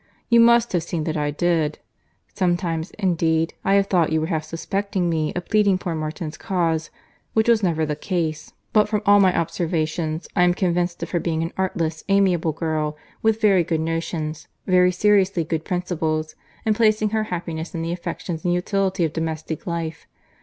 You must have seen that I did. Sometimes, indeed, I have thought you were half suspecting me of pleading poor Martin's cause, which was never the case; but, from all my observations, I am convinced of her being an artless, amiable girl, with very good notions, very seriously good principles, and placing her happiness in the affections and utility of domestic life.